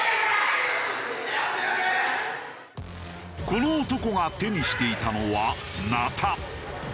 この男が手にしていたのはナタ。